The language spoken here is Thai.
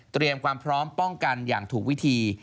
ความพร้อมป้องกันอย่างถูกวิธี